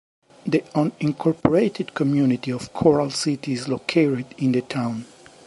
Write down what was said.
The unincorporated community of Coral City is located in the town.